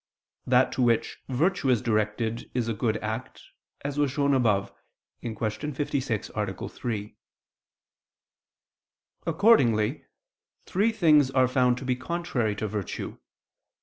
That to which virtue is directed is a good act, as was shown above (Q. 56, A. 3). Accordingly three things are found to be contrary to virtue.